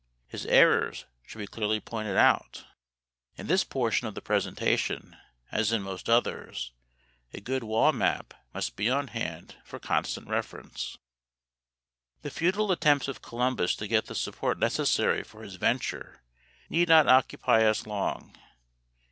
His errors should be clearly pointed out. In this portion of the presentation, as in most others, a good wall map must be on hand for constant reference. The futile attempts of Columbus to get the support necessary for his venture need not occupy us long.